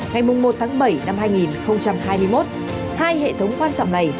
ngày một bảy hai nghìn hai mươi một hai hệ thống quan trọng này chính thức được đưa vào vận hành